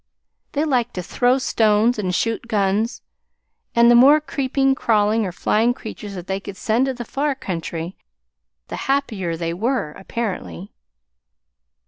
They liked to throw stones and shoot guns, and the more creeping, crawling, or flying creatures that they could send to the far country, the happier they were, apparently.